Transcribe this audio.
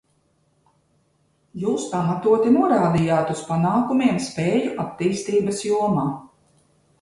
Jūs pamatoti norādījāt uz panākumiem spēju attīstības jomā.